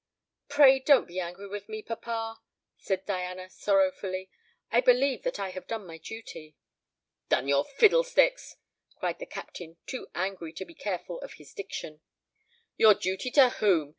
"Pray don't be angry with me, papa," said Diana sorrowfully; "I believe that I have done my duty." "Done your fiddlesticks!" cried the Captain, too angry to be careful of his diction. "Your duty to whom?